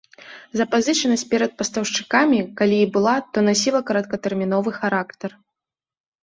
Запазычанасць перад пастаўшчыкамі, калі і была, то насіла кароткатэрміновы характар.